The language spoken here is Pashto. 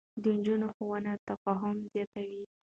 د نجونو ښوونه تفاهم زياتوي.